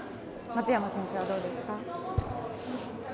松山選手はどうですか。